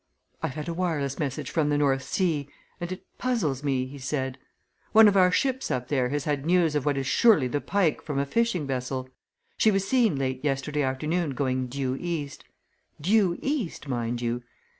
"I've had a wireless message from the North Sea and it puzzles me," he said. "One of our ships up there has had news of what is surely the Pike from a fishing vessel. She was seen late yesterday afternoon going due east due east, mind you!